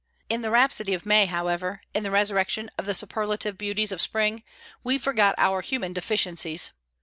In the rhapsody of May, however, in the resurrection of the superlative beauties of spring, we forgot our human deficiencies.